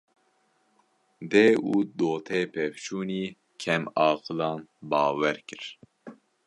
Dê û dotê pevçûnî, kêm aqilan bawer kir